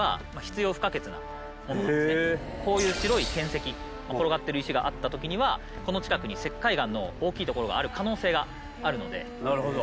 こういう白い転石転がってる石があった時にはこの近くに石灰岩の大きい所がある可能性があるので。